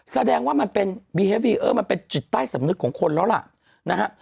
แสดงว่ามันเป็นบีเฮฟวีเออร์มันเป็นจุดใต้สำนึกของคนแล้วล่ะนะฮะ